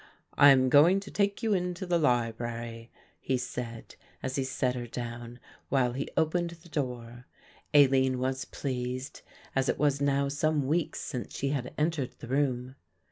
"I am going to take you into the library," he said as he set her down, while he opened the door. Aline was pleased, as it was now some weeks since she had entered the room.